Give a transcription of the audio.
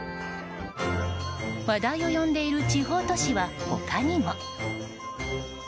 話題を呼んでいる地方都市は他にも。